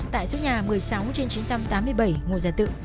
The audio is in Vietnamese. tại số nhà một mươi sáu trên chín trăm tám mươi bảy ngô gia tự